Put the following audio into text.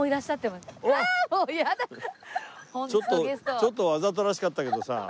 ちょっとわざとらしかったけどさ。